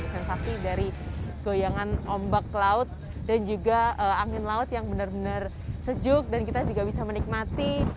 sensasi dari goyangan ombak laut dan juga angin laut yang benar benar sejuk dan kita juga bisa menikmati